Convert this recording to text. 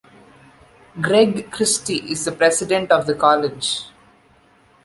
Greg Christy is the President of the college.